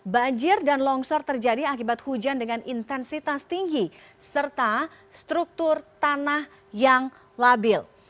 banjir dan longsor terjadi akibat hujan dengan intensitas tinggi serta struktur tanah yang labil